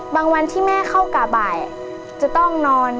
วันที่แม่เข้ากะบ่ายจะต้องนอน